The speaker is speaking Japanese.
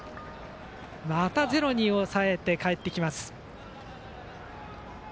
またゼロに抑えて帰ってきます広陵。